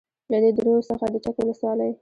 . له دې درو څخه د چک ولسوالۍ